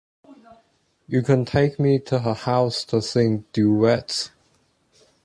You can take me to her house to sing duets.